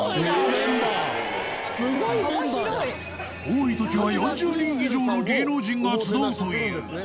多い時は４０人以上の芸能人が集うという